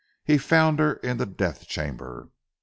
He found her in the death chamber.